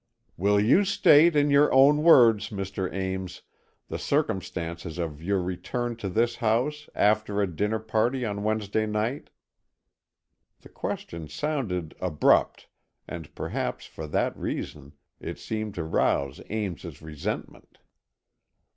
"Will you state, in your own words, Mr. Ames, the circumstances of your return to this house, after a dinner party on Wednesday night?" The question sounded abrupt, and, perhaps for that reason, it seemed to rouse Ames's resentment.